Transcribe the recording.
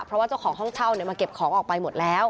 เพราะว่าเจ้าของห้องเช่ามาเก็บของออกไปหมดแล้ว